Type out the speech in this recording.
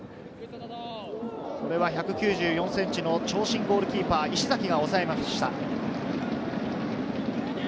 これは１９４ｃｍの長身ゴールキーパー・石崎が抑えました。